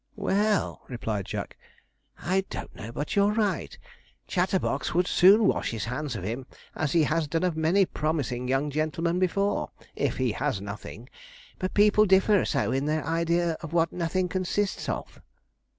'Well,' replied Jack, 'I don't know but you're right. Chatterbox would soon wash his hands of him, as he has done of many promising young gentlemen before, if he has nothing; but people differ so in their ideas of what nothing consists of.'